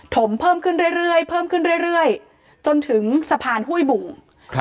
ถมเพิ่มขึ้นเรื่อยเรื่อยเพิ่มขึ้นเรื่อยเรื่อยจนถึงสะพานหุ้ยบุ๋งครับ